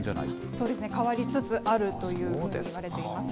そうですね、変わりつつあるというふうにいわれています。